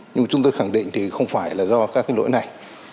nhưng chúng tôi khẳng định thì không phải là do các cái lỗi này